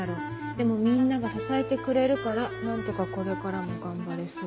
でもみんなが支えてくれるからなんとかこれからも頑張れそう」。